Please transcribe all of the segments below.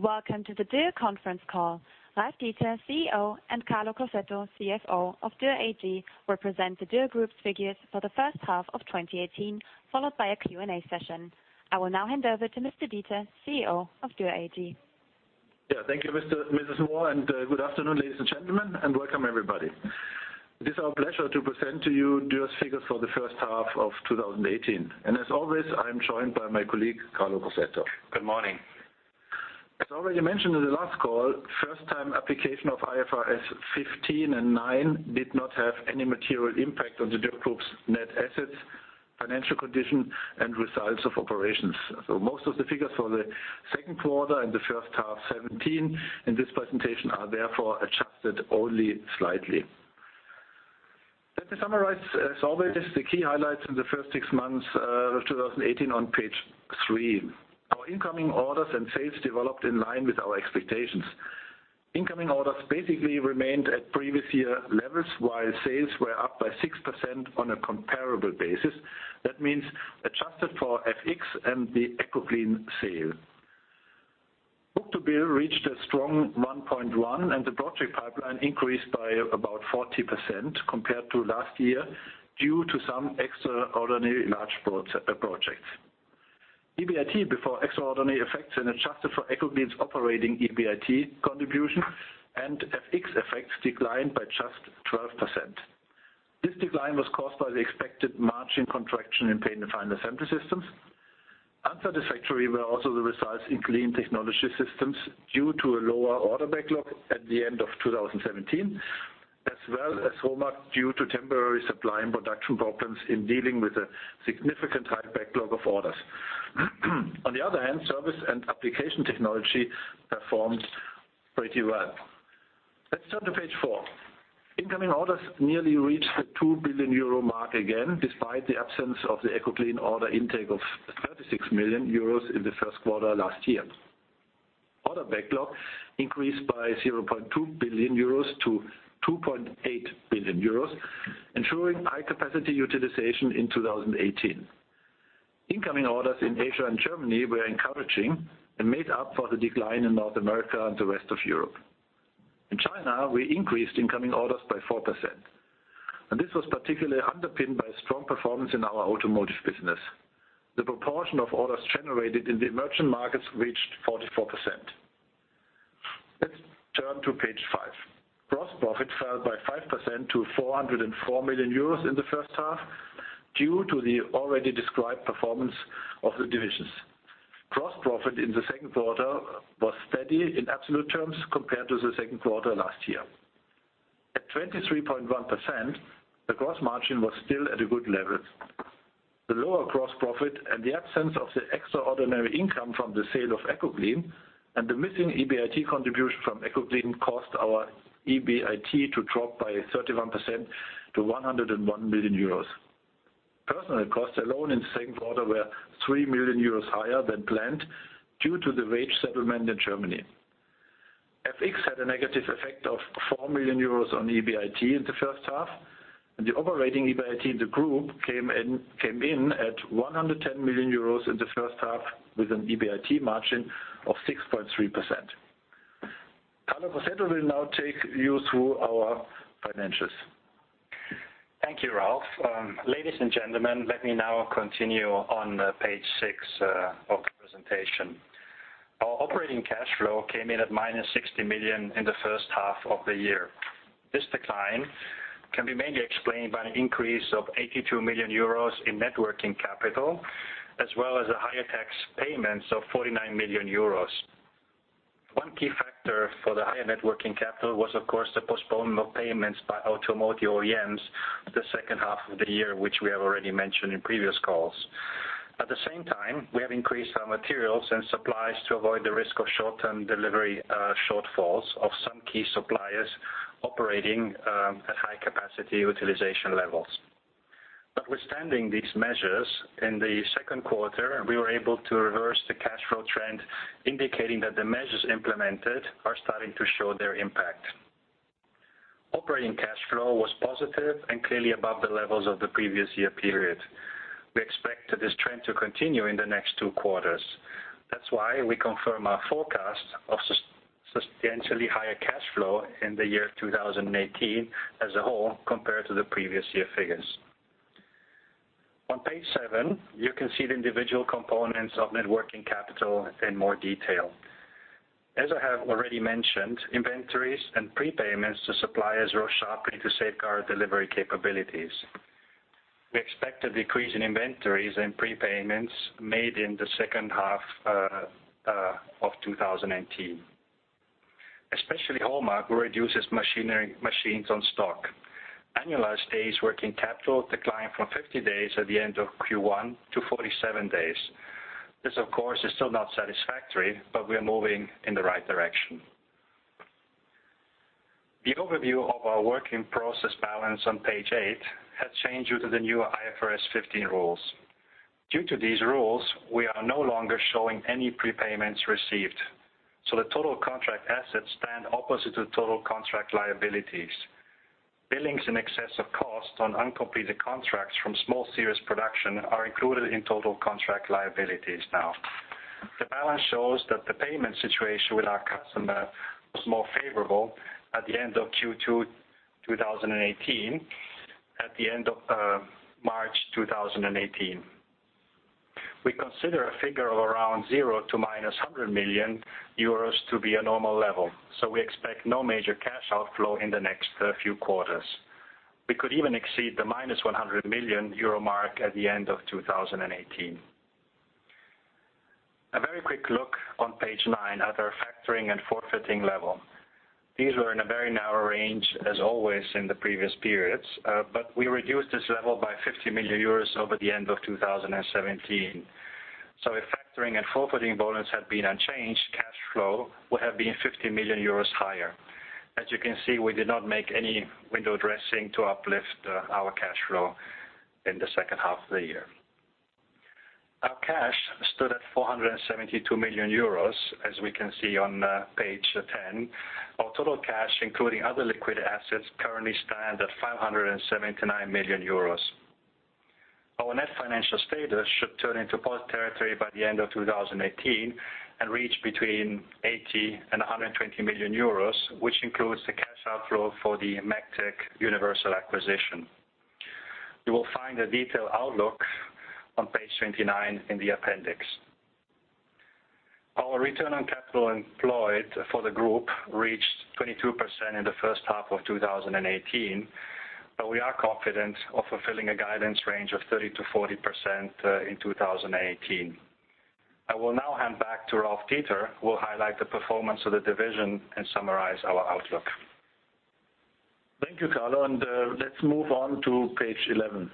Welcome to the Dürr Conference Call. Ralf Dieter, CEO, and Carlo Crosetto, CFO of Dürr AG, will present the Dürr Group's figures for the first half of 2018, followed by a Q&A session. I will now hand over to Mr. Dieter, CEO of Dürr AG. Yeah, thank you, Mrs. Moore, and good afternoon, ladies and gentlemen, and welcome, everybody. It is our pleasure to present to you Dürr's figures for the first half of 2018. And as always, I'm joined by my colleague, Carlo Crosetto. Good morning. As already mentioned in the last call, first-time application of IFRS 15 and 9 did not have any material impact on the Dürr Group's net assets, financial condition, and results of operations. So most of the figures for the second quarter and the first half 2017 in this presentation are therefore adjusted only slightly. Let me summarize, as always, the key highlights in the first six months of 2018 on page three. Our incoming orders and sales developed in line with our expectations. Incoming orders basically remained at previous year levels, while sales were up by 6% on a comparable basis. That means adjusted for FX and the Ecoclean sale. Book-to-bill reached a strong 1.1, and the project pipeline increased by about 40% compared to last year due to some extraordinary large projects. EBIT before extraordinary effects and adjusted for Ecoclean's operating EBIT contribution and FX effects declined by just 12%. This decline was caused by the expected margin contraction in Paint and Final Assembly Systems. Unsatisfactory were also the results in Clean Technology Systems due to a lower order backlog at the end of 2017, as well as Measuring and Process Systems due to temporary supply and production problems in dealing with a significantly high backlog of orders. On the other hand, service and application technology performed pretty well. Let's turn to page four. Incoming orders nearly reached the 2 billion euro mark again, despite the absence of the Ecoclean order intake of 36 million euros in the first quarter last year. Order backlog increased by 0.2 billion euros to 2.8 billion euros, ensuring high capacity utilization in 2018. Incoming orders in Asia and Germany were encouraging and made up for the decline in North America and the rest of Europe. In China, we increased incoming orders by 4%. And this was particularly underpinned by strong performance in our automotive business. The proportion of orders generated in the emerging markets reached 44%. Let's turn to page five. Gross profit fell by 5% to 404 million euros in the first half due to the already described performance of the divisions. Gross profit in the second quarter was steady in absolute terms compared to the second quarter last year. At 23.1%, the gross margin was still at a good level. The lower gross profit and the absence of the extraordinary income from the sale of Ecoclean and the missing EBIT contribution from Ecoclean caused our EBIT to drop by 31% to 101 million euros. Personnel costs alone in the second quarter were 3 million euros higher than planned due to the wage settlement in Germany. FX had a negative effect of 4 million euros on EBIT in the first half, and the operating EBIT in the group came in at 110 million euros in the first half with an EBIT margin of 6.3%. Carlo Crosetto will now take you through our financials. Thank you, Ralf. Ladies and gentlemen, let me now continue on page six of the presentation. Our operating cash flow came in at minus 60 million in the first half of the year. This decline can be mainly explained by the increase of 82 million euros in net working capital, as well as the higher tax payments of 49 million euros. One key factor for the higher net working capital was, of course, the postponement of payments by automotive OEMs the second half of the year, which we have already mentioned in previous calls. At the same time, we have increased our materials and supplies to avoid the risk of short-term delivery shortfalls of some key suppliers operating at high capacity utilization levels. But notwithstanding these measures, in the second quarter, we were able to reverse the cash flow trend, indicating that the measures implemented are starting to show their impact. Operating cash flow was positive and clearly above the levels of the previous year period. We expect this trend to continue in the next two quarters. That's why we confirm our forecast of substantially higher cash flow in the year 2018 as a whole compared to the previous year figures. On page seven, you can see the individual components of net working capital in more detail. As I have already mentioned, inventories and prepayments to suppliers rose sharply to safeguard delivery capabilities. We expect a decrease in inventories and prepayments made in the second half of 2018. Especially HOMAG reduces machines on stock. Annualized days working capital declined from 50 days at the end of Q1 to 47 days. This, of course, is still not satisfactory, but we are moving in the right direction. The overview of our net working capital balance on page eight has changed due to the new IFRS 15 rules. Due to these rules, we are no longer showing any prepayments received. So the total contract assets stand opposite to total contract liabilities. Billings in excess of cost on uncompleted contracts from small series production are included in total contract liabilities now. The balance shows that the payment situation with our customer was more favorable at the end of Q2 2018, at the end of March 2018. We consider a figure of around 0 to -100 million euros to be a normal level. So we expect no major cash outflow in the next few quarters. We could even exceed the -100 million euro mark at the end of 2018. A very quick look on page nine at our factoring and forfaiting level. These were in a very narrow range, as always, in the previous periods. But we reduced this level by 50 million euros over the end of 2017. So if factoring and forfaiting volumes had been unchanged, cash flow would have been 50 million euros higher. As you can see, we did not make any window dressing to uplift our cash flow in the second half of the year. Our cash stood at 472 million euros, as we can see on page 10. Our total cash, including other liquid assets, currently stands at 579 million euros. Our net financial status should turn into positive territory by the end of 2018 and reach between 80 and 120 million euros, which includes the cash outflow for the MEGTEC/Universal acquisition. You will find a detailed outlook on page 29 in the appendix. Our Return on Capital Employed for the group reached 22% in the first half of 2018, but we are confident of fulfilling a guidance range of 30%-40% in 2018. I will now hand back to Ralf Dieter, who will highlight the performance of the division and summarize our outlook. Thank you, Carlo, and let's move on to page 11.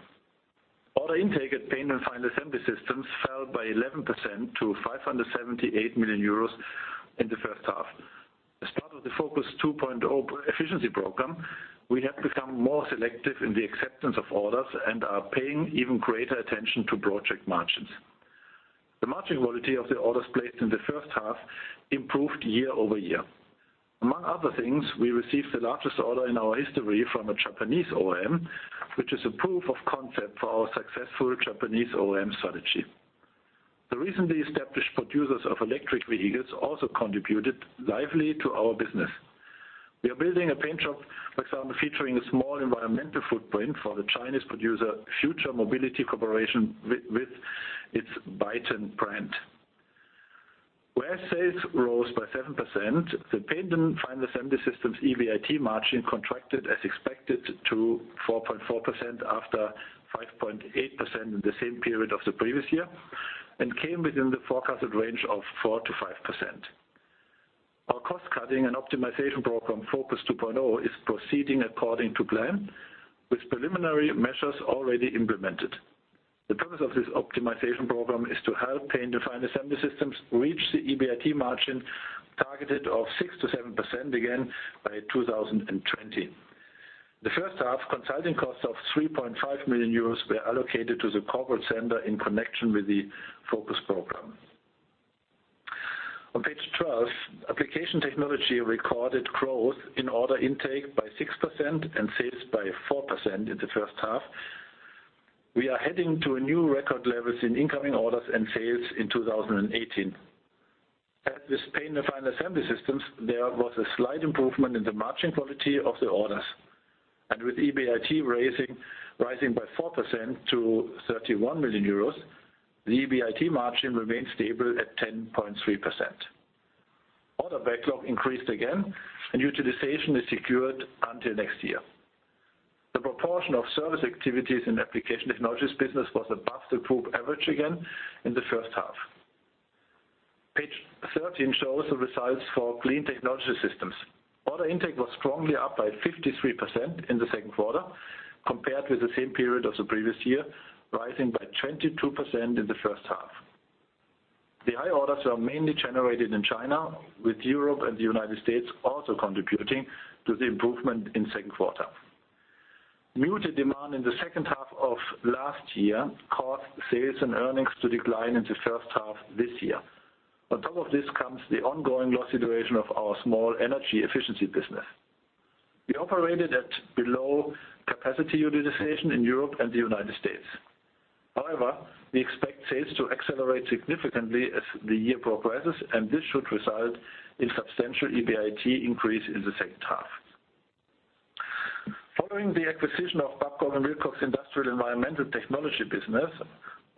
Order intake at Paint and Final Assembly Systems fell by 11% to 578 million euros in the first half. As part of the FOCUS 2.0 efficiency program, we have become more selective in the acceptance of orders and are paying even greater attention to project margins. The margin quality of the orders placed in the first half improved year over year. Among other things, we received the largest order in our history from a Japanese OEM, which is a proof of concept for our successful Japanese OEM strategy. The recently established producers of electric vehicles also contributed lively to our business. We are building a paint shop, for example, featuring a small environmental footprint for the Chinese producer Future Mobility Corporation with its Byton brand. While sales rose by 7%, the Paint and Final Assembly Systems EBIT margin contracted as expected to 4.4% after 5.8% in the same period of the previous year and came within the forecasted range of 4%-5%. Our cost-cutting and optimization program, FOCUS 2.0, is proceeding according to plan, with preliminary measures already implemented. The purpose of this optimization program is to help Paint and Final Assembly Systems reach the EBIT margin targeted of 6%-7% again by 2020. In the first half, consulting costs of 3.5 million euros were allocated to the corporate center in connection with the FOCUS program. On page 12, Application Technology recorded growth in order intake by 6% and sales by 4% in the first half. We are heading to new record levels in incoming orders and sales in 2018. As with paint and final assembly systems, there was a slight improvement in the margin quality of the orders, and with EBIT rising by 4% to 31 million euros, the EBIT margin remained stable at 10.3%. Order backlog increased again, and utilization is secured until next year. The proportion of service activities in Application Technology business was above the group average again in the first half. Page 13 shows the results for Clean Technology Systems. Order intake was strongly up by 53% in the second quarter compared with the same period of the previous year, rising by 22% in the first half. The high orders were mainly generated in China, with Europe and the United States also contributing to the improvement in the second quarter. Muted demand in the second half of last year caused sales and earnings to decline in the first half this year. On top of this comes the ongoing loss situation of our small energy efficiency business. We operated at below capacity utilization in Europe and the United States. However, we expect sales to accelerate significantly as the year progresses, and this should result in substantial EBIT increase in the second half. Following the acquisition of Babcock & Wilcox Industrial Environmental Technology business,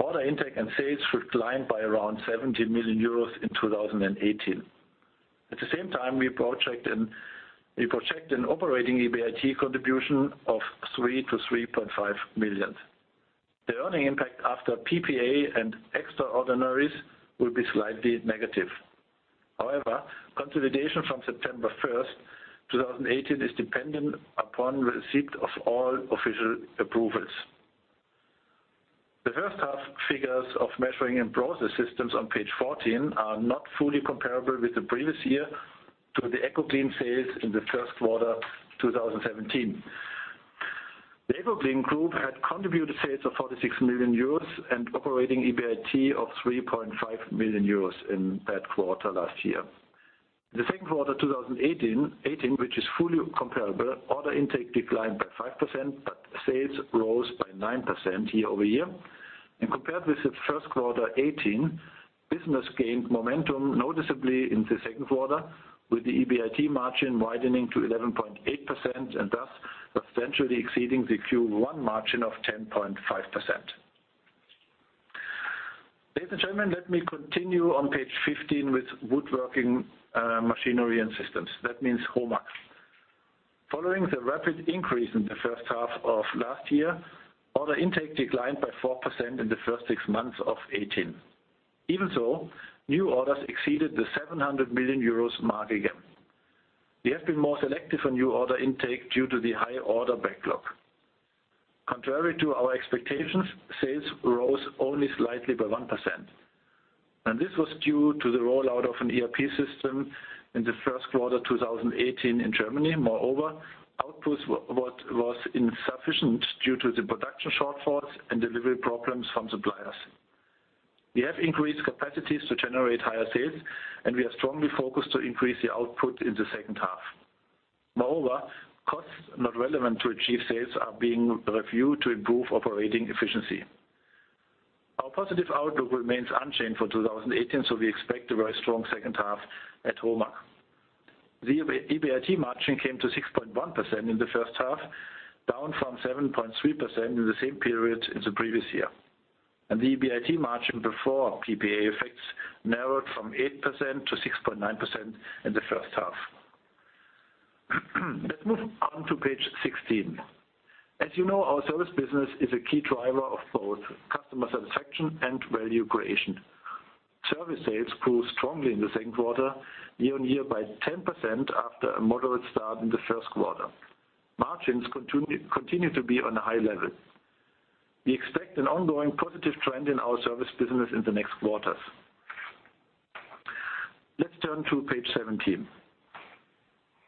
order intake and sales should climb by around 70 million euros in 2018. At the same time, we project an operating EBIT contribution of 3 million- 3.5 million. The earnings impact after PPA and extraordinaries will be slightly negative. However, consolidation from September 1st, 2018, is dependent upon receipt of all official approvals. The first half figures of Measuring and Process Systems on page 14 are not fully comparable with the previous year to the Ecoclean sales in the first quarter 2017. The Ecoclean group had contributed sales of 46 million euros and operating EBIT of 3.5 million euros in that quarter last year. In the second quarter 2018, which is fully comparable, order intake declined by 5%, but sales rose by 9% year over year. And compared with the first quarter 2018, business gained momentum noticeably in the second quarter, with the EBIT margin widening to 11.8% and thus substantially exceeding the Q1 margin of 10.5%. Ladies and gentlemen, let me continue on page 15 with Woodworking Machinery and Systems. That means HOMAG. Following the rapid increase in the first half of last year, order intake declined by 4% in the first six months of 2018. Even so, new orders exceeded the 700 million euros mark again. We have been more selective on new order intake due to the high order backlog. Contrary to our expectations, sales rose only slightly by 1% and this was due to the rollout of an ERP system in the first quarter 2018 in Germany. Moreover, output was insufficient due to the production shortfalls and delivery problems from suppliers. We have increased capacities to generate higher sales, and we are strongly focused to increase the output in the second half. Moreover, costs not relevant to achieve sales are being reviewed to improve operating efficiency. Our positive outlook remains unchanged for 2018, so we expect a very strong second half at HOMAG. The EBIT margin came to 6.1% in the first half, down from 7.3% in the same period as the previous year, and the EBIT margin before PPA effects narrowed from 8% to 6.9% in the first half. Let's move on to page 16. As you know, our service business is a key driver of both customer satisfaction and value creation. Service sales grew strongly in the second quarter, year-on-year, by 10% after a moderate start in the first quarter. Margins continue to be on a high level. We expect an ongoing positive trend in our service business in the next quarters. Let's turn to page 17.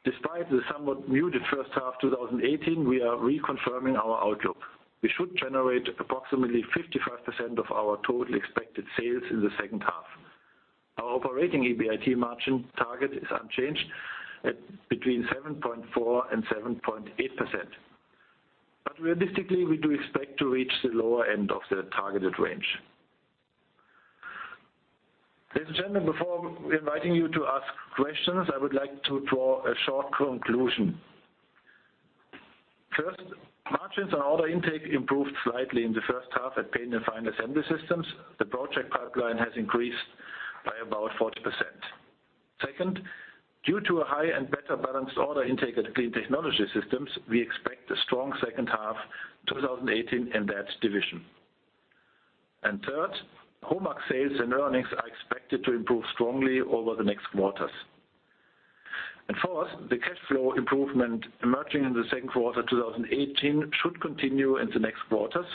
Despite the somewhat muted first half 2018, we are reconfirming our outlook. We should generate approximately 55% of our total expected sales in the second half. Our operating EBIT margin target is unchanged at between 7.4% and 7.8%. But realistically, we do expect to reach the lower end of the targeted range. Ladies and gentlemen, before inviting you to ask questions, I would like to draw a short conclusion. First, margins on order intake improved slightly in the first half at Paint and Final Assembly Systems. The project pipeline has increased by about 40%. Second, due to a high and better balanced order intake at Clean Technology Systems, we expect a strong second half 2018 in that division. And third, HOMAG sales and earnings are expected to improve strongly over the next quarters. And fourth, the cash flow improvement emerging in the second quarter 2018 should continue in the next quarters.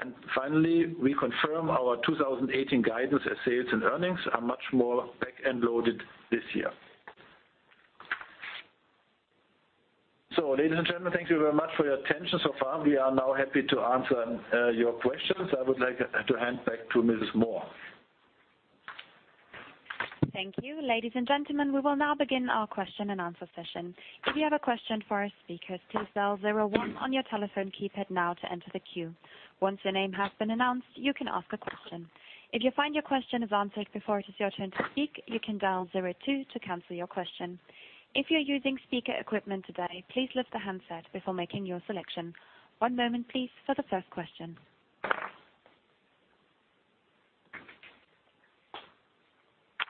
And finally, we confirm our 2018 guidance as sales and earnings are much more back-end loaded this year. So, ladies and gentlemen, thank you very much for your attention so far. We are now happy to answer your questions. I would like to hand back to Mrs. Moore. Thank you. Ladies and gentlemen, we will now begin our question and answer session. If you have a question for our speakers, please dial zero one on your telephone keypad now to enter the queue. Once your name has been announced, you can ask a question. If you find your question is answered before it is your turn to speak, you can dial zero two to cancel your question. If you're using speaker equipment today, please lift the handset before making your selection. One moment, please, for the first question.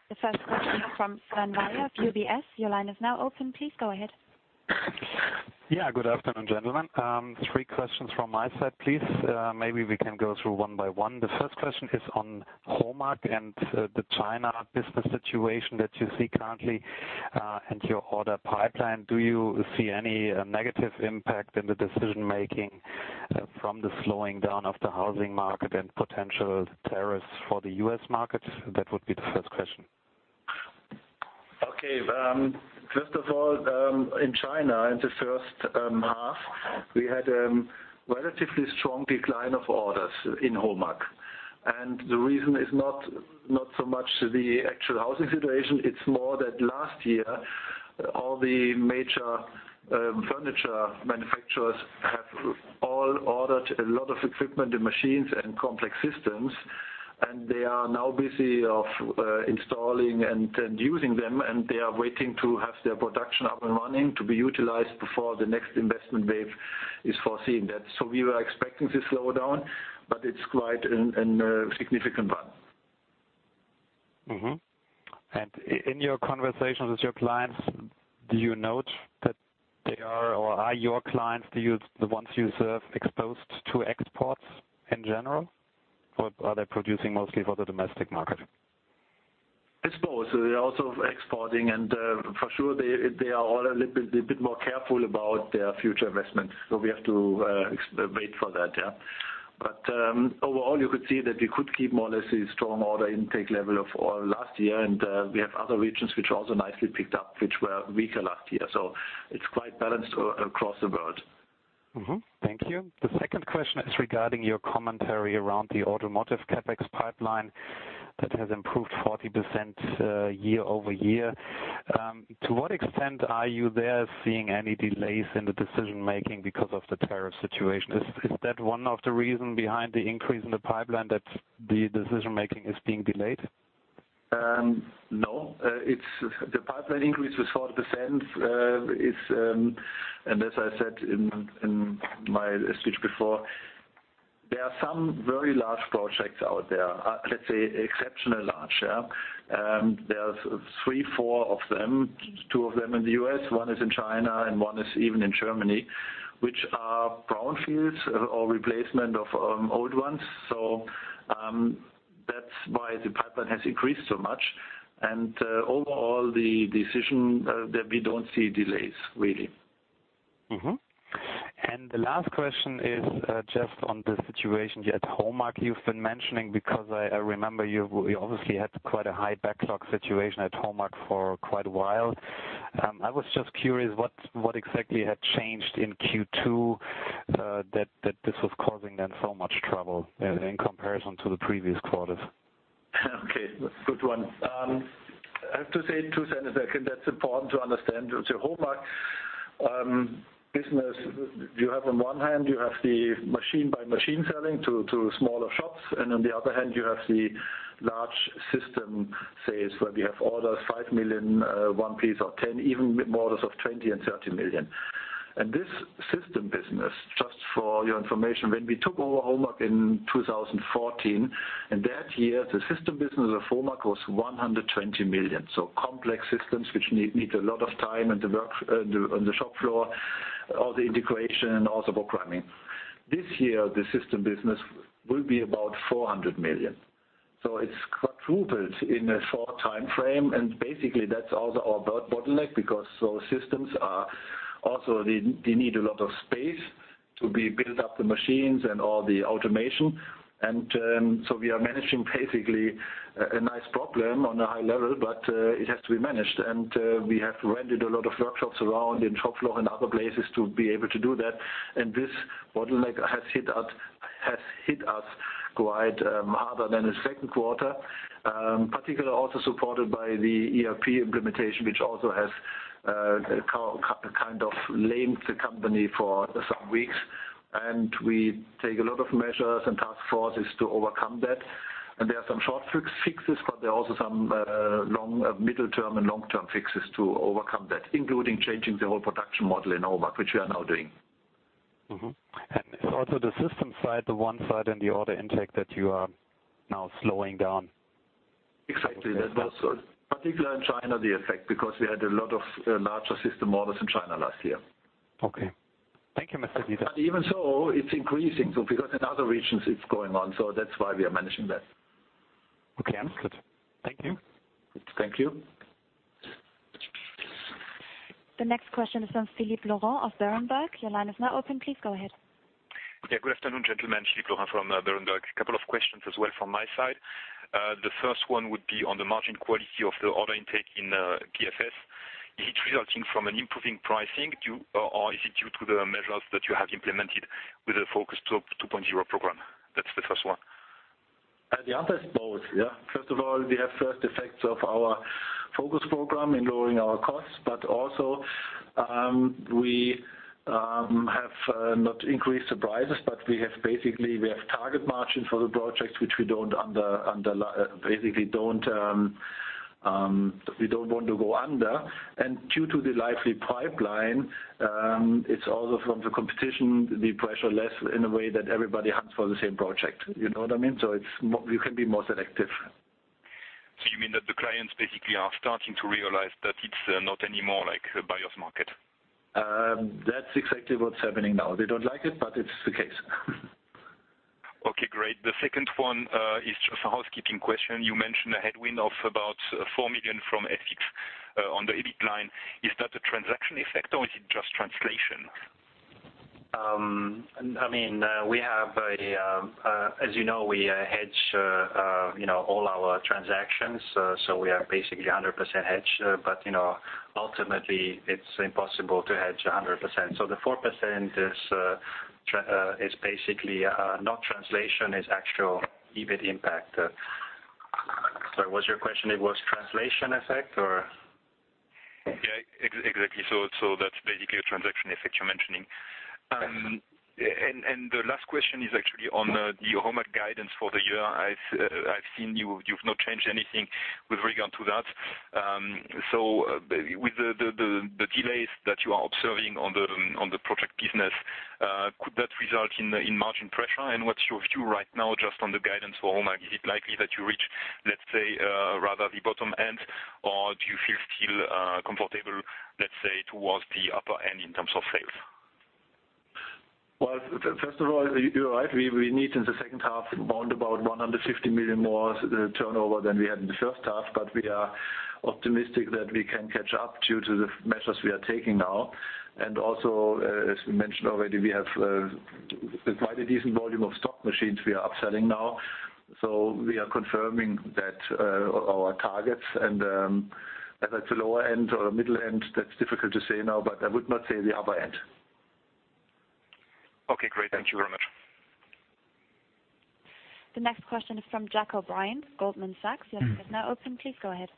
The first question is from Sven Weier of UBS. Your line is now open. Please go ahead. Yeah, good afternoon, gentlemen. Three questions from my side, please. Maybe we can go through one by one. The first question is on HOMAG and the China business situation that you see currently and your order pipeline. Do you see any negative impact in the decision-making from the slowing down of the housing market and potential tariffs for the U.S. market? That would be the first question. Okay. First of all, in China, in the first half, we had a relatively strong decline of orders in HOMAG. And the reason is not so much the actual housing situation. It's more that last year, all the major furniture manufacturers have all ordered a lot of equipment and machines and complex systems. And they are now busy installing and using them, and they are waiting to have their production up and running to be utilized before the next investment wave is foreseen. So we were expecting this slowdown, but it's quite a significant one. And in your conversations with your clients, do you note that they are or are your clients, the ones you serve, exposed to exports in general? Or are they producing mostly for the domestic market? It's both. They're also exporting, and for sure, they are all a bit more careful about their future investments. So we have to wait for that, yeah. But overall, you could see that we could keep more or less the strong order intake level of last year, and we have other regions which also nicely picked up, which were weaker last year. So it's quite balanced across the world. Thank you. The second question is regarding your commentary around the automotive CapEx pipeline that has improved 40% year-over-year. To what extent are you there seeing any delays in the decision-making because of the tariff situation? Is that one of the reasons behind the increase in the pipeline that the decision-making is being delayed? No. The pipeline increase we saw at the end is, and as I said in my speech before, there are some very large projects out there, let's say exceptionally large. There are three, four of them, two of them in the U.S., one is in China, and one is even in Germany, which are brownfields or replacement of old ones. So that's why the pipeline has increased so much. And overall, the decision that we don't see delays, really. And the last question is just on the situation here at HOMAG you've been mentioning, because I remember you obviously had quite a high backlog situation at HOMAG for quite a while. I was just curious what exactly had changed in Q2 that this was causing them so much trouble in comparison to the previous quarters? Okay. Good one. I have to say two things that I think that's important to understand. The HOMAG business, you have on one hand, you have the machine-by-machine selling to smaller shops, and on the other hand, you have the large system sales where we have orders 5 million one piece or 10, even more orders of 20 million and 30 million. And this system business, just for your information, when we took over HOMAG in 2014, in that year, the system business of HOMAG was 120 million. So complex systems which need a lot of time on the shop floor, all the integration, and also programming. This year, the system business will be about 400 million. It's quadrupled in a short time frame, and basically, that's also our bottleneck because those systems also need a lot of space to build up the machines and all the automation. We are managing basically a nice problem on a high level, but it has to be managed. We have rented a lot of workshops around in shop floor and other places to be able to do that. This bottleneck has hit us quite harder than the second quarter, particularly also supported by the ERP implementation, which also has kind of lamed the company for some weeks. We take a lot of measures and task forces to overcome that. There are some short fixes, but there are also some long, middle-term, and long-term fixes to overcome that, including changing the whole production model in HOMAG, which we are now doing. And also the system side, the one side, and the order intake that you are now slowing down. Exactly. That was particularly in China the effect, because we had a lot of larger system orders in China last year. Okay. Thank you, Mr. Dieter. But even so, it's increasing because in other regions, it's going on. So that's why we are managing that. Okay. I'm good. Thank you. Thank you. The next question is from Philippe Lorrain of Berenberg. Your line is now open. Please go ahead. Yeah. Good afternoon, gentlemen. Philippe Lorrain from Berenberg. A couple of questions as well from my side. The first one would be on the margin quality of the order intake in PFS. Is it resulting from an improving pricing, or is it due to the measures that you have implemented with the FOCUS 2.0 program? That's the first one. The answer is both, yeah. First of all, we have first effects of our FOCUS program in lowering our costs, but also we have not increased the prices, but we have basically target margins for the projects which we basically don't want to go under. And due to the lively pipeline, it's also from the competition, the pressure less in a way that everybody hunts for the same project. You know what I mean? So we can be more selective. So you mean that the clients basically are starting to realize that it's not anymore like a buyer's market? That's exactly what's happening now. They don't like it, but it's the case. Okay. Great. The second one is just a housekeeping question. You mentioned a headwind of about 4 million from FX on the EBIT line. Is that a transaction effect, or is it just translation? I mean, we have a, as you know, we hedge all our transactions, so we are basically 100% hedged, but ultimately, it's impossible to hedge 100%. So the 4% is basically not translation, it's actual EBIT impact. Sorry, what was your question? It was translation effect, or? Yeah, exactly. So that's basically a transaction effect you're mentioning. And the last question is actually on the HOMAG guidance for the year. I've seen you've not changed anything with regard to that. So with the delays that you are observing on the project business, could that result in margin pressure? And what's your view right now just on the guidance for HOMAG? Is it likely that you reach, let's say, rather the bottom end, or do you feel still comfortable, let's say, towards the upper end in terms of sales? Well, first of all, you're right. We need in the second half round about 150 million more turnover than we had in the first half, but we are optimistic that we can catch up due to the measures we are taking now. And also, as we mentioned already, we have quite a decent volume of stock machines we are upselling now. So we are confirming that our targets. And as I said, the lower end or the middle end, that's difficult to say now, but I would not say the upper end. Okay. Great. Thank you very much. The next question is from Jack O'Brien of Goldman Sachs. Your line is now open. Please go ahead.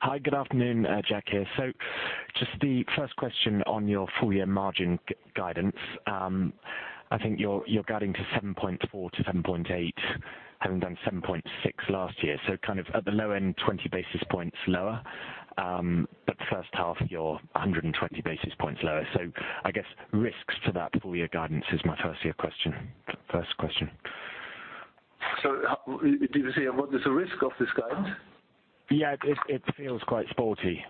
Hi. Good afternoon, Jack here. So just the first question on your full-year margin guidance. I think you're guiding to 7.4%-7.8%, having done 7.6% last year. So, kind of at the low end, 20 basis points lower, but the first half, you're 120 basis points lower. So, I guess risks to that full-year guidance is my first question. So, did you say what is the risk of this guidance? Yeah, it feels quite sporty.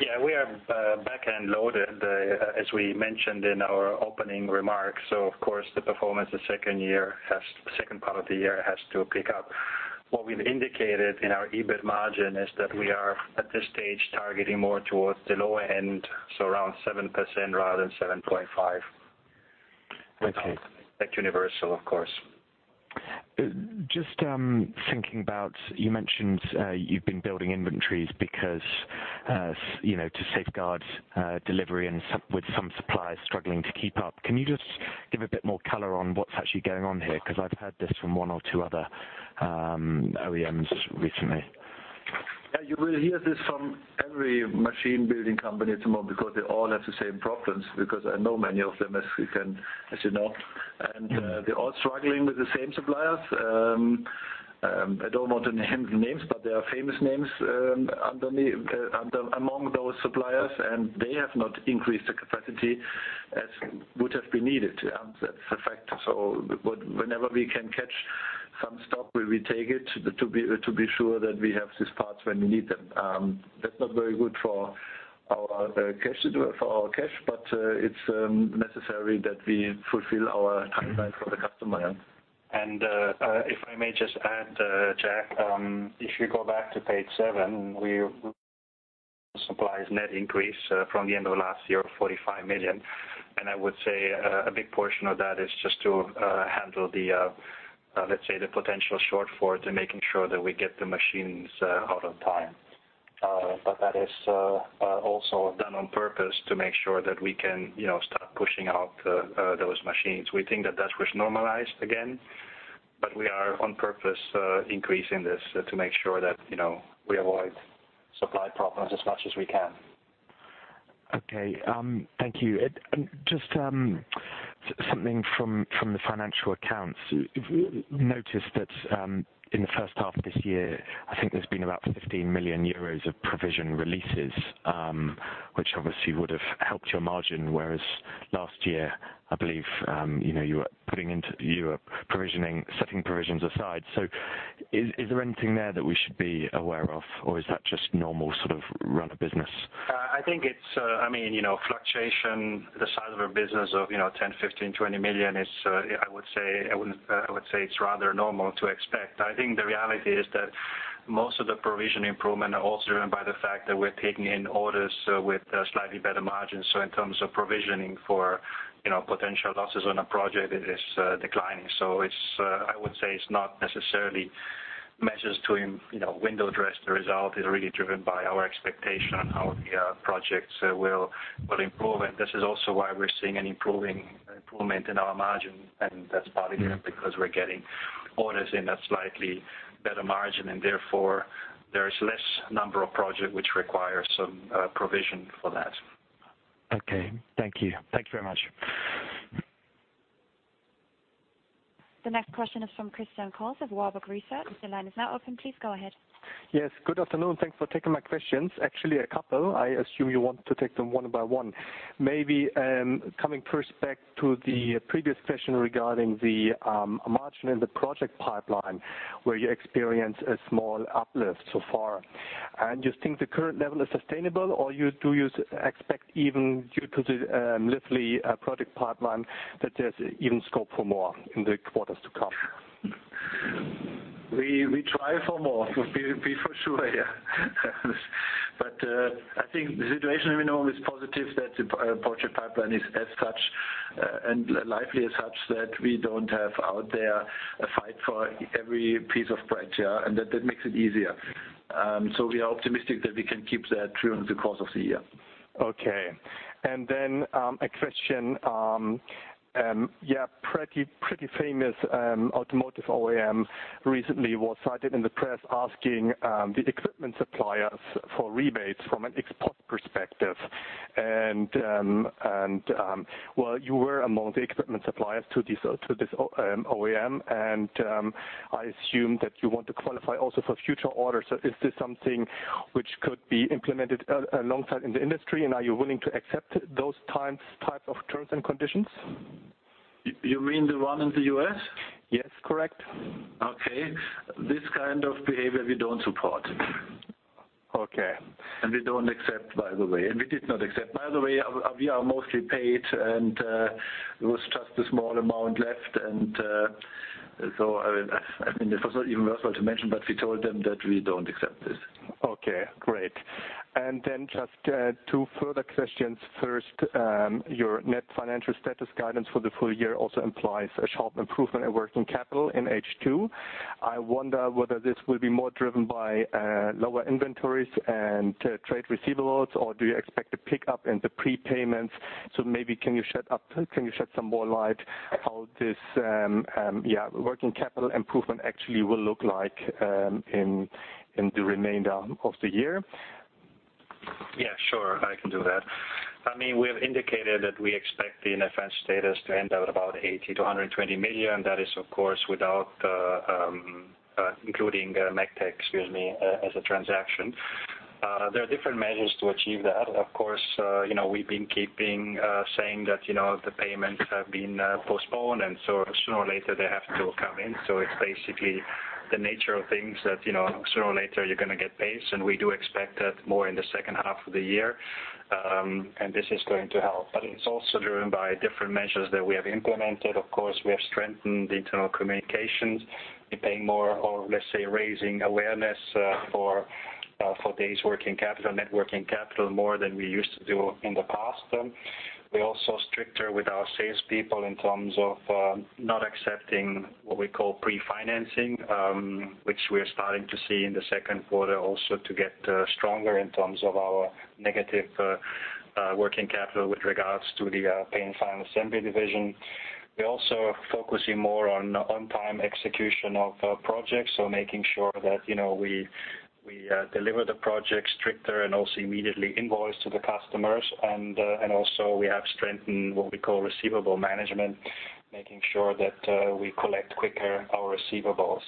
Yeah, we are back-end loaded, as we mentioned in our opening remarks. So, of course, the performance the second half of the year has to pick up. What we've indicated in our EBIT margin is that we are, at this stage, targeting more towards the lower end, so around 7% rather than 7.5%. That's universal, of course. Just thinking about, you mentioned you've been building inventories because to safeguard delivery with some suppliers struggling to keep up. Can you just give a bit more color on what's actually going on here? Because I've heard this from one or two other OEMs recently. Yeah, you will hear this from every machine-building company at the moment because they all have the same problems, because I know many of them, as you know, and they're all struggling with the same suppliers. I don't want to name the names, but there are famous names among those suppliers, and they have not increased the capacity as would have been needed. That's a fact, so whenever we can catch some stock, we take it to be sure that we have these parts when we need them. That's not very good for our cash, but it's necessary that we fulfill our timeline for the customer, and if I may just add, Jack, if you go back to page seven, net working capital increase from the end of last year, 45 million. I would say a big portion of that is just to handle the, let's say, the potential shortfall to making sure that we get the machines out on time. But that is also done on purpose to make sure that we can start pushing out those machines. We think that that was normalized again, but we are on purpose increasing this to make sure that we avoid supply problems as much as we can. Okay. Thank you. Just something from the financial accounts. Noticed that in the first half of this year, I think there's been about 15 million euros of provision releases, which obviously would have helped your margin, whereas last year, I believe you were provisioning, setting provisions aside. So is there anything there that we should be aware of, or is that just normal sort of run of business? I think it's, I mean, fluctuation, the size of a business of 10 million, 15 million, 20 million, I would say it's rather normal to expect. I think the reality is that most of the provision improvement are also driven by the fact that we're taking in orders with slightly better margins. So in terms of provisioning for potential losses on a project, it is declining. So I would say it's not necessarily measures to window dress. The result is really driven by our expectation on how the projects will improve. And this is also why we're seeing an improvement in our margin. And that's partly because we're getting orders in at slightly better margin, and therefore, there is less number of projects which require some provision for that. Okay. Thank you. Thanks very much. The next question is from Christian Cohrs of Warburg Research. The line is now open. Please go ahead. Yes. Good afternoon. Thanks for taking my questions. Actually, a couple. I assume you want to take them one by one. Maybe coming first back to the previous question regarding the margin in the project pipeline, where you experience a small uplift so far. And you think the current level is sustainable, or do you expect even due to the lively project pipeline that there's even scope for more in the quarters to come? We try for more, to be for sure, yeah. But I think the situation we know is positive that the project pipeline is as such and lively as such that we don't have out there a fight for every piece of bread, yeah, and that makes it easier. So we are optimistic that we can keep that through the course of the year. Okay. And then a question. Yeah, a pretty famous automotive OEM recently was cited in the press asking the equipment suppliers for rebates from an export perspective. And well, you were among the equipment suppliers to this OEM, and I assume that you want to qualify also for future orders. So is this something which could be implemented alongside in the industry, and are you willing to accept those types of terms and conditions? You mean the one in the U.S.? Yes, correct. Okay. This kind of behavior, we don't support. And we don't accept, by the way. And we did not accept. By the way, we are mostly paid, and it was just a small amount left. And so, I mean, it was not even worthwhile to mention, but we told them that we don't accept this. Okay. Great. And then just two further questions. First, your net financial status guidance for the full year also implies a sharp improvement in working capital in H2. I wonder whether this will be more driven by lower inventories and trade receivables, or do you expect a pickup in the prepayments? So maybe can you shed some more light on how this, yeah, working capital improvement actually will look like in the remainder of the year? Yeah, sure. I can do that. I mean, we have indicated that we expect the net financial status to end up at about 80 million-120 million. That is, of course, without including MEGTEC, excuse me, as a transaction. There are different measures to achieve that. Of course, we've been keeping saying that the payments have been postponed, and so sooner or later, they have to come in. So it's basically the nature of things that sooner or later, you're going to get paid, and we do expect that more in the second half of the year. And this is going to help. But it's also driven by different measures that we have implemented. Of course, we have strengthened internal communications in paying more or, let's say, raising awareness for days working capital, net working capital, more than we used to do in the past. We're also stricter with our salespeople in terms of not accepting what we call pre-financing, which we're starting to see in the second quarter also to get stronger in terms of our negative working capital with regards to the Paint and Final Assembly Systems division. We're also focusing more on on-time execution of projects, so making sure that we deliver the projects stricter and also immediately invoice to the customers. And also, we have strengthened what we call receivable management, making sure that we collect quicker our receivables.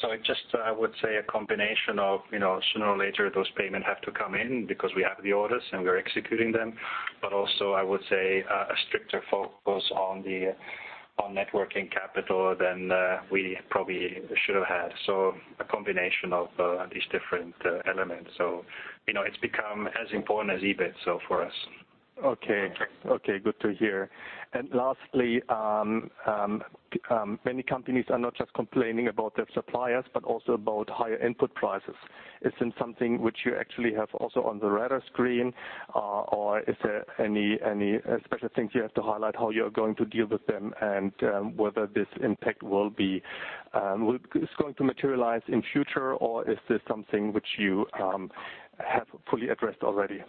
So it's just, I would say, a combination of sooner or later, those payments have to come in because we have the orders and we're executing them. But also, I would say a stricter focus on net working capital than we probably should have had. So a combination of these different elements. So it's become as important as EBIT, so for us. Okay. Okay. Good to hear. And lastly, many companies are not just complaining about their suppliers, but also about higher input prices. Is it something which you actually have also on the radar screen, or is there any special things you have to highlight how you're going to deal with them and whether this impact will be going to materialize in future, or is this something which you have fully addressed already?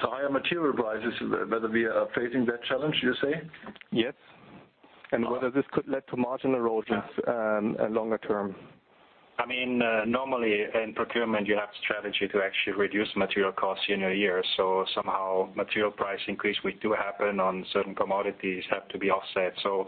So higher material prices, whether we are facing that challenge, you say? Yes. And whether this could lead to margin erosions longer term? I mean, normally in procurement, you have a strategy to actually reduce material costs year on year. So somehow, material price increase will do happen on certain commodities have to be offset. So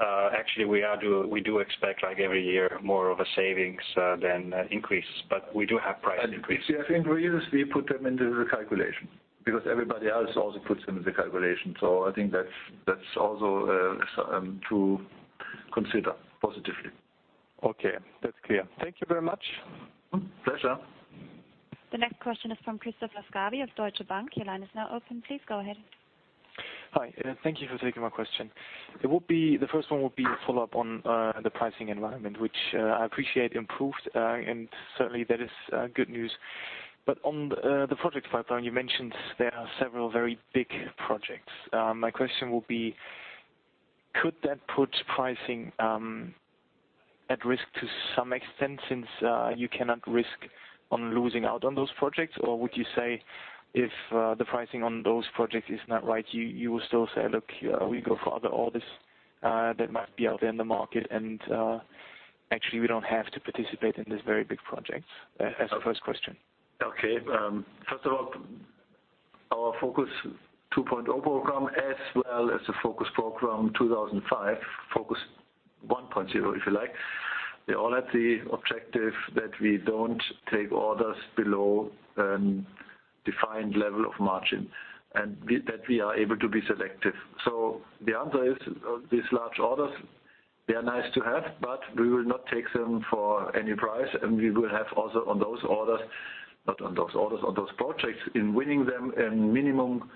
actually, we do expect every year more of a savings than increase, but we do have price increase. Yes, increases, we put them into the calculation because everybody else also puts them into the calculation. So I think that's also to consider positively. Okay. That's clear. Thank you very much. Pleasure. The next question is from Christoph Laskawi of Deutsche Bank. Your line is now open. Please go ahead. Hi. Thank you for taking my question. The first one would be a follow-up on the pricing environment, which I appreciate improved, and certainly, that is good news. But on the project pipeline, you mentioned there are several very big projects. My question would be, could that put pricing at risk to some extent since you cannot risk on losing out on those projects, or would you say if the pricing on those projects is not right, you will still say, "Look, we go for other orders that might be out there in the market, and actually, we don't have to participate in this very big project" as a first question? Okay. First of all, our FOCUS 2.0 program, as well as the FOCUS program 2005, FOCUS 1.0, if you like, they all have the objective that we don't take orders below a defined level of margin and that we are able to be selective. So the answer is these large orders, they are nice to have, but we will not take them for any price. And we will have also on those orders, not on those orders, on those projects, in winning them a minimum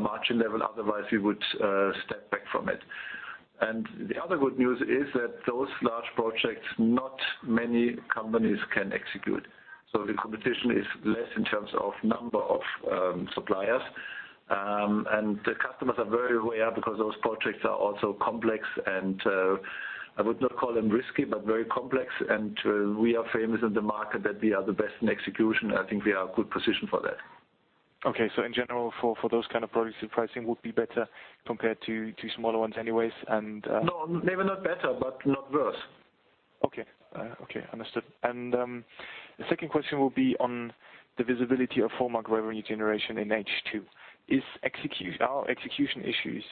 margin level. Otherwise, we would step back from it. And the other good news is that those large projects, not many companies can execute. So the competition is less in terms of number of suppliers. And the customers are very aware because those projects are also complex, and I would not call them risky, but very complex. We are famous in the market that we are the best in execution. I think we are in a good position for that. Okay. So in general, for those kind of projects, the pricing would be better compared to smaller ones anyways and.. No, maybe not better, but not worse. Okay. Okay. Understood. The second question would be on the visibility of fallback revenue generation in H2. Are execution issues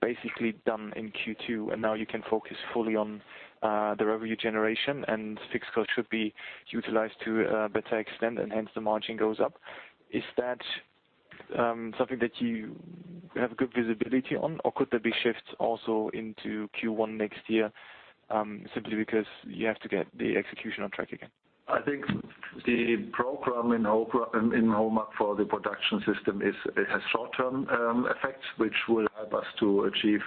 basically done in Q2, and now you can focus fully on the revenue generation and fixed costs should be utilized to a better extent, and hence the margin goes up? Is that something that you have good visibility on, or could there be shifts also into Q1 next year simply because you have to get the execution on track again? I think the program in HOMAG for the production system has short-term effects, which will help us to achieve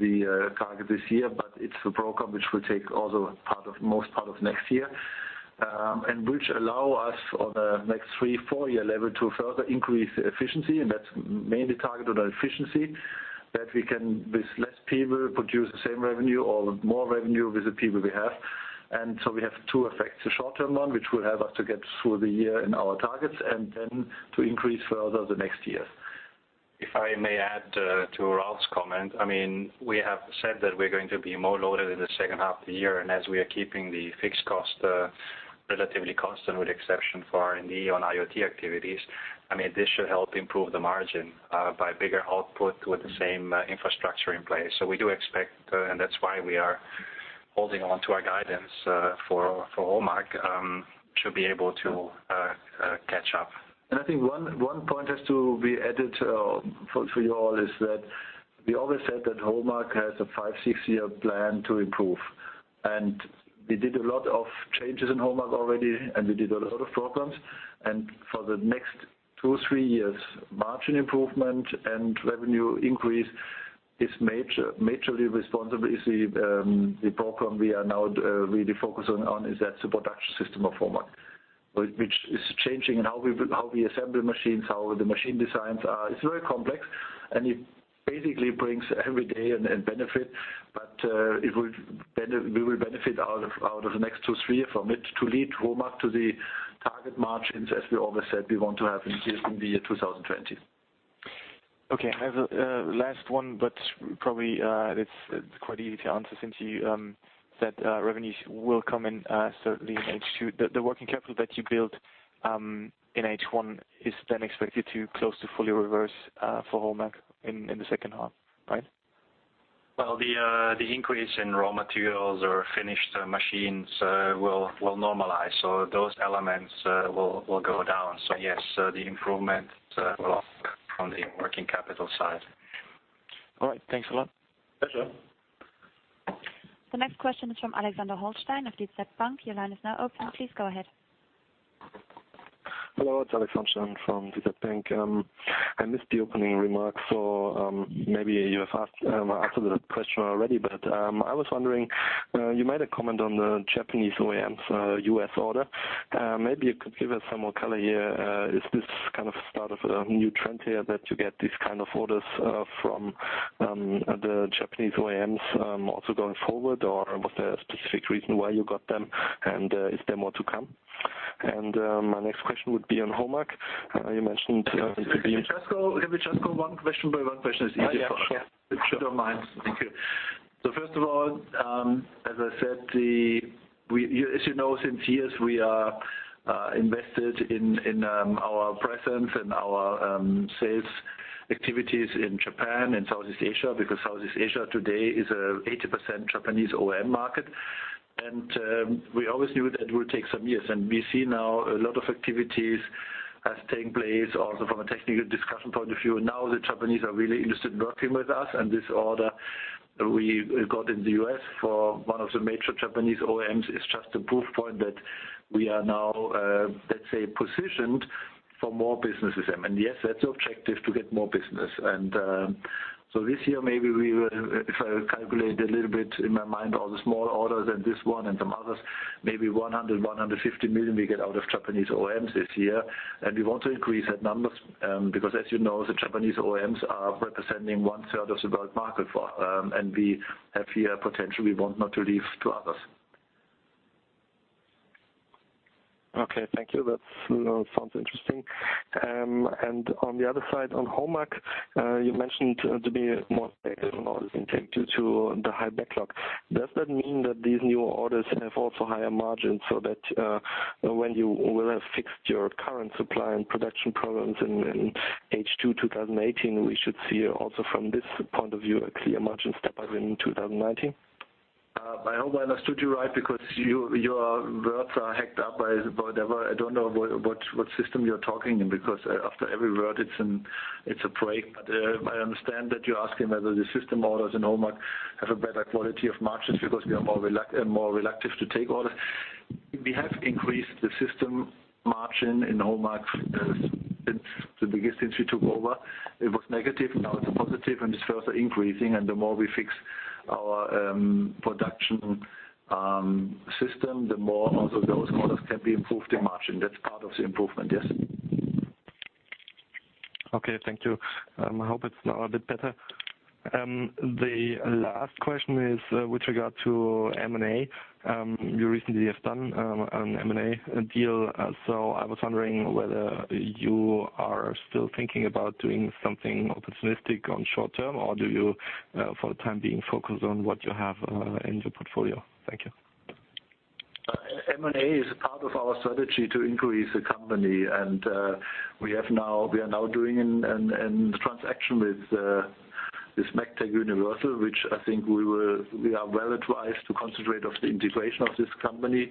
the target this year, but it's a program which will take also most part of next year and which will allow us on a next three-, four-year level to further increase efficiency, and that's mainly targeted on efficiency that we can, with less people, produce the same revenue or more revenue with the people we have. And so we have two effects. The short-term one, which will help us to get through the year in our targets, and then to increase further the next years. If I may add to Ralf's comment, I mean, we have said that we're going to be more loaded in the second half of the year, and as we are keeping the fixed cost relatively constant with the exception for R&D on IoT activities, I mean, this should help improve the margin by bigger output with the same infrastructure in place. So we do expect, and that's why we are holding on to our guidance for HOMAG, should be able to catch up. I think one point has to be added for you all is that we always said that HOMAG has a five, six-year plan to improve. We did a lot of changes in HOMAG already, and we did a lot of programs. For the next two, three years, margin improvement and revenue increase is majorly responsible. The program we are now really focusing on is that's the production system of HOMAG, which is changing in how we assemble machines, how the machine designs are. It's very complex, and it basically brings every day and benefit, but we will benefit out of the next two, three from it to lead HOMAG to the target margins, as we always said we want to have in the year 2020. Okay. I have a last one, but probably it's quite easy to answer since you said revenues will come in certainly in H2. The working capital that you build in H1 is then expected to close to fully reverse for HOMAG in the second half, right? Well, the increase in raw materials or finished machines will normalize. So those elements will go down. So yes, the improvement will come from the working capital side. All right. Thanks a lot. Pleasure. The next question is from Alexander Hauenstein of DZ Bank. Your line is now open. Please go ahead. Hello. It's Alexander Hauenstein from Deutsche Bank. I missed the opening remark, so maybe you have asked the question already, but I was wondering, you made a comment on the Japanese OEMs, U.S. order. Maybe you could give us some more color here. Is this kind of start of a new trend here that you get these kind of orders from the Japanese OEMs also going forward, or was there a specific reason why you got them, and is there more to come? And my next question would be on HOMAG. You mentioned to be— Can we just go one question by one question? It's easier for us. Yeah, sure. If you don't mind. Thank you. First of all, as I said, as you know, since years, we are invested in our presence and our sales activities in Japan and Southeast Asia because Southeast Asia today is an 80% Japanese OEM market. We always knew that it would take some years. We see now a lot of activities are taking place also from a technical discussion point of view. Now, the Japanese are really interested in working with us, and this order we got in the U.S. for one of the major Japanese OEMs is just a proof point that we are now, let's say, positioned for more businesses. Yes, that's the objective to get more business. And so this year, maybe we will, if I calculate a little bit in my mind, all the small orders and this one and some others, maybe 100 million- 150 million we get out of Japanese OEMs this year. And we want to increase that number because, as you know, the Japanese OEMs are representing one-third of the world market for us. And we have here potential we want not to leave to others. Okay. Thank you. That sounds interesting. And on the other side, on Warburg, you mentioned to be more stable on orders intake due to the high backlog. Does that mean that these new orders have also higher margins so that when you will have fixed your current supply and production problems in H2 2018, we should see also from this point of view a clear margin step up in 2019? I hope I understood you right because your words are hacked up by whatever. I don't know what system you're talking in because after every word, it's a break. But I understand that you're asking whether the system orders in HOMAG have a better quality of margins because we are more reluctant to take orders. We have increased the system margin in HOMAG since we took over. It was negative. Now it's positive, and it's further increasing. And the more we fix our production system, the more also those orders can be improved in margin. That's part of the improvement, yes. Okay. Thank you. I hope it's now a bit better. The last question is with regard to M&A. You recently have done an M&A deal, so I was wondering whether you are still thinking about doing something opportunistic on short term, or do you for the time being focus on what you have in your portfolio? Thank you. M&A is part of our strategy to increase the company. And we are now doing a transaction with MEGTEC/Universal, which I think we are well advised to concentrate on the integration of this company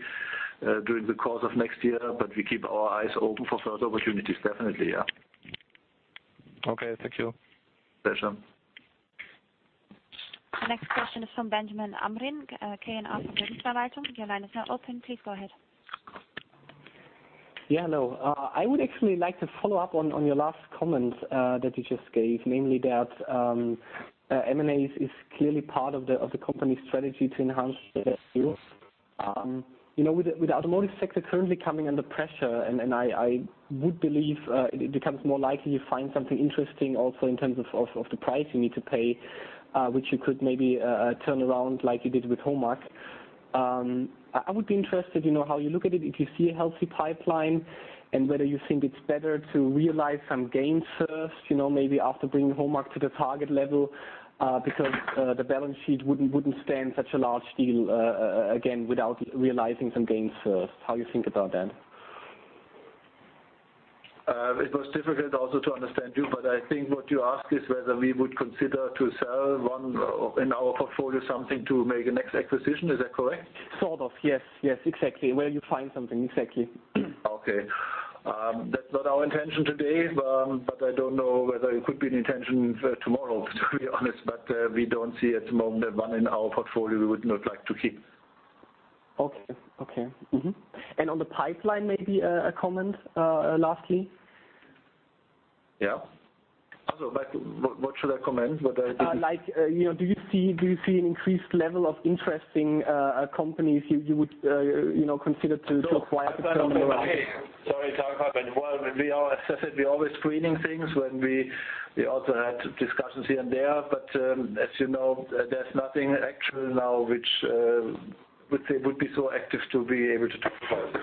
during the course of next year, but we keep our eyes open for further opportunities, definitely. Yeah. Okay. Thank you. Pleasure. The next question is from Benjamin Amrin, K&R from Deutsche Bank. Your line is now open. Please go ahead. Yeah. Hello. I would actually like to follow up on your last comment that you just gave, namely that M&A is clearly part of the company's strategy to enhance the value. With the automotive sector currently coming under pressure, and I would believe it becomes more likely you find something interesting also in terms of the price you need to pay, which you could maybe turn around like you did with HOMAG. I would be interested in how you look at it. If you see a healthy pipeline and whether you think it's better to realize some gains first, maybe after bringing HOMAG to the target level, because the balance sheet wouldn't stand such a large deal again without realizing some gains first. How do you think about that? It was difficult also to understand you, but I think what you asked is whether we would consider to sell one in our portfolio, something to make a next acquisition. Is that correct? Sort of. Yes. Yes. Exactly. Where you find something. Exactly. Okay. That's not our intention today, but I don't know whether it could be an intention tomorrow, to be honest. But we don't see at the moment one in our portfolio we would not like to keep. Okay. Okay. And on the pipeline, maybe a comment lastly? Yeah. Also, what should I comment? What I didn't— Do you see an increased level of interest in companies you would consider to acquire? Sorry to interrupt. Sorry to interrupt. As I said, we are always screening things when we also had discussions here and there. But as you know, there's nothing actual now which would be so active to be able to talk about.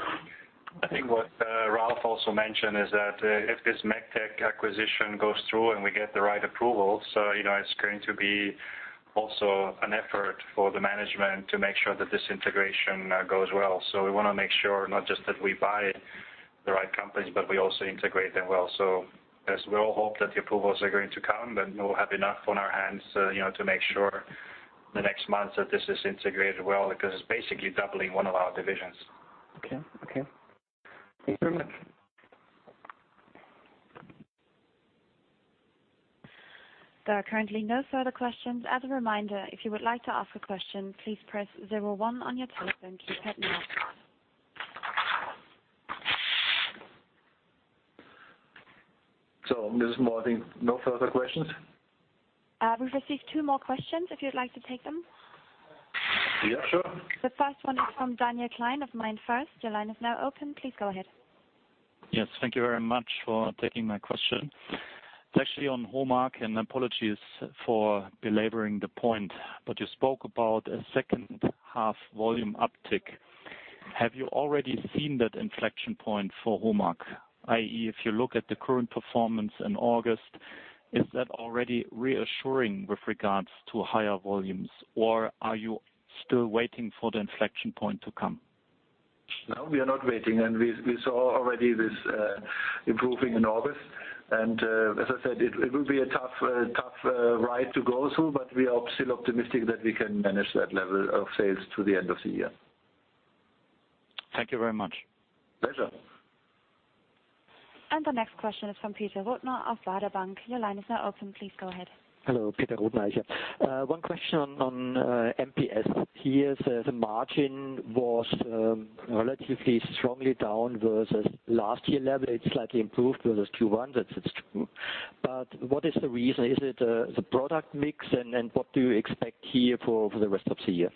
I think what Ralf also mentioned is that if this MEGTEC acquisition goes through and we get the right approvals, it's going to be also an effort for the management to make sure that this integration goes well. So we want to make sure not just that we buy the right companies, but we also integrate them well. So we all hope that the approvals are going to come, but we'll have enough on our hands to make sure in the next months that this is integrated well because it's basically doubling one of our divisions. Okay. Okay. Thank you very much. There are currently no further questions. As a reminder, if you would like to ask a question, please press zero one on your telephone to be cut now. So Mrs. Moore, I think no further questions? We've received two more questions. If you'd like to take them. Yeah. Sure. The first one is from Daniel Gleim of MainFirst. Your line is now open. Please go ahead. Yes. Thank you very much for taking my question. It's actually on HOMAG, and apologies for belaboring the point, but you spoke about a second-half volume uptick. Have you already seen that inflection point for HOMAG, i.e., if you look at the current performance in August, is that already reassuring with regards to higher volumes, or are you still waiting for the inflection point to come? No, we are not waiting. And we saw already this improving in August. And as I said, it will be a tough ride to go through, but we are still optimistic that we can manage that level of sales to the end of the year. Thank you very much. Pleasure. And the next question is from Peter Rothenaicher, of Baader Bank. Your line is now open. Please go ahead. Hello. Peter Rothenaicher. One question on MPS. Here, the margin was relatively strongly down versus last year level. It's slightly improved versus Q1. That's true, but what is the reason? Is it the product mix, and what do you expect here for the rest of the year?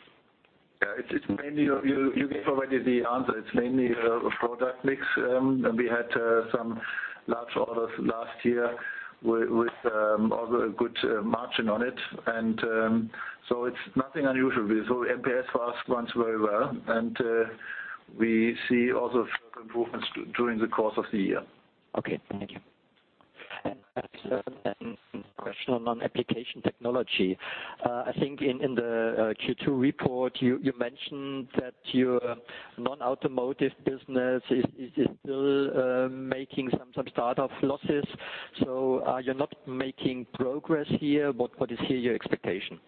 You gave already the answer. It's mainly a product mix. We had some large orders last year with a good margin on it, and so it's nothing unusual. MPS for us runs very well, and we see also further improvements during the course of the year. Okay. Thank you, and next question on non-Application Technology. I think in the Q2 report, you mentioned that your non-automotive business is still making some startup losses. So are you not making progress here? What is here your expectation?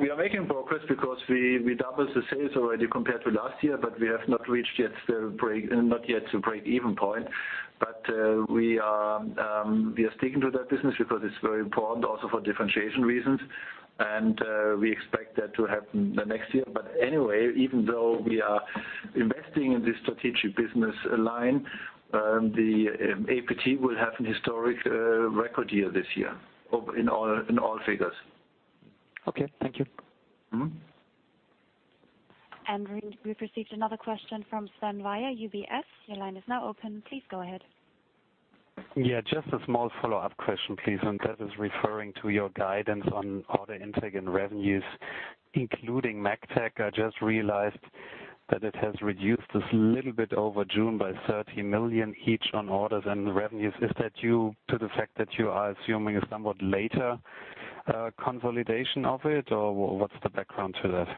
We are making progress because we doubled the sales already compared to last year, but we have not reached yet the break-even point. But we are sticking to that business because it's very important also for differentiation reasons, and we expect that to happen next year. But anyway, even though we are investing in this strategic business line, the APT will have a historic record year this year in all figures. Okay. Thank you. And we've received another question from Sven Weier, UBS. Your line is now open. Please go ahead. Yeah. Just a small follow-up question, please. And that is referring to your guidance on order intake and revenues, including MEGTEC. I just realized that it has reduced this little bit over June by 30 million each on orders and revenues. Is that due to the fact that you are assuming a somewhat later consolidation of it, or what's the background to that?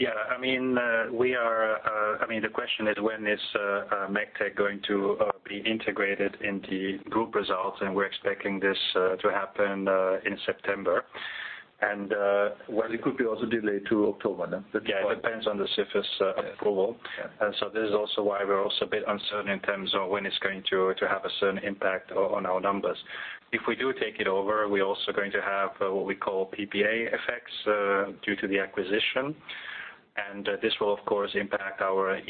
Yeah. I mean, we are—I mean, the question is when is MEGTEC going to be integrated in the group results, and we're expecting this to happen in September, and well, it could be also delayed to October. Yeah. It depends on the CFIUS approval, and so this is also why we're also a bit uncertain in terms of when it's going to have a certain impact on our numbers. If we do take it over, we're also going to have what we call PPA effects due to the acquisition, and this will, of course, impact our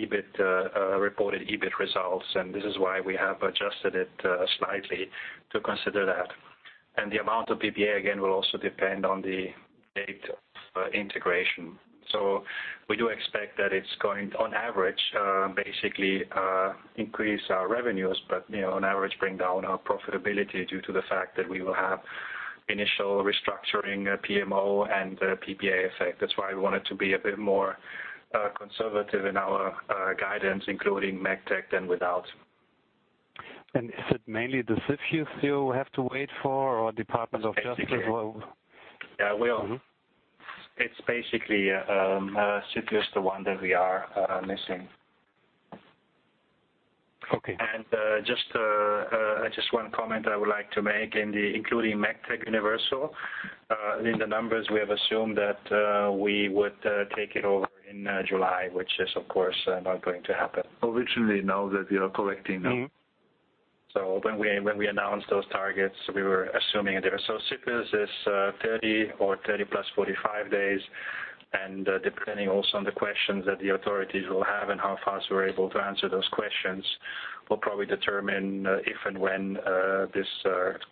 reported EBIT results, and this is why we have adjusted it slightly to consider that, and the amount of PPA, again, will also depend on the date of integration. We do expect that it's going to, on average, basically increase our revenues, but on average, bring down our profitability due to the fact that we will have initial restructuring, PMO, and PPA effect. That's why we wanted to be a bit more conservative in our guidance, including MEGTEC than without. And is it mainly the CFIUS you have to wait for, or Department of Justice? Yeah. We are. It's basically CFIUS the one that we are missing. Okay. And just one comment I would like to make in the including MEGTEC/Universal. In the numbers, we have assumed that we would take it over in July, which is, of course, not going to happen. Originally, now that you're correcting now. So when we announced those targets, we were assuming it. So CFIUS is 30 or 30+-45 days. And depending also on the questions that the authorities will have and how fast we're able to answer those questions will probably determine if and when this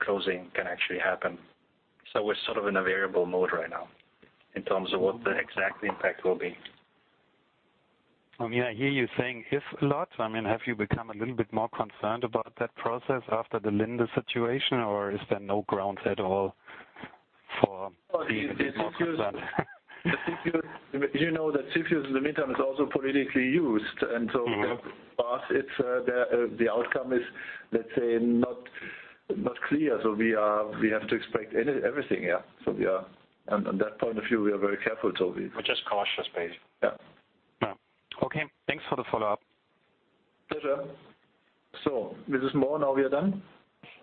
closing can actually happen. So we're sort of in a variable mode right now in terms of what the exact impact will be. I mean, I hear you saying if a lot. I mean, have you become a little bit more concerned about that process after the Linde situation, or is there no grounds at all for the CFIUS? I think you know that CFIUS in the meantime is also politically used. And so the outcome is, let's say, not clear. So we have to expect everything. Yeah. So on that point of view, we are very careful, so we're just cautious, basically. Yeah. Okay. Thanks for the follow-up. Pleasure. So Mrs. Moore, now we are done?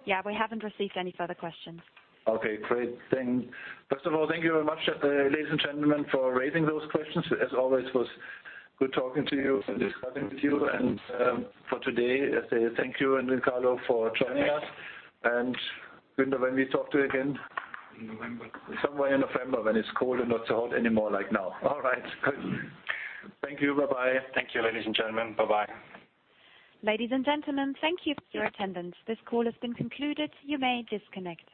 Yeah. We haven't received any further questions. Okay. Great. Then, first of all, thank you very much, ladies and gentlemen, for raising those questions. As always, it was good talking to you and discussing with you, and for today, I say thank you, Andy and Carlo, for joining us, and when do we talk to you again? In November. Somewhere in November when it's cold and not so hot anymore like now. All right. Thank you. Bye-bye. Thank you, ladies and gentlemen. Bye-bye. Ladies and gentlemen, thank you for your attendance. This call has been concluded. You may disconnect.